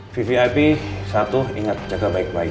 vvip satu ingat jaga baik baik